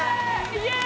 イエーイ！